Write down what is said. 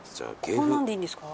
こんなんでいいんですか？